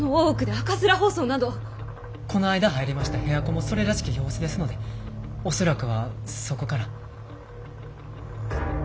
この間入りました部屋子もそれらしき様子ですので恐らくはそこから。